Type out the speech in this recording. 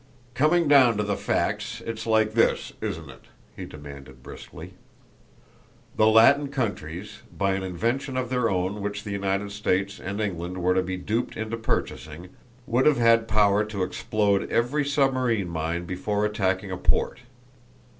"Coming down to the facts it's like this, isn't it?" he demanded briskly. "The Latin countries, by an invention of their own which the United States and England were to be duped into purchasing, would have had power to explode every submarine mine before attacking a port?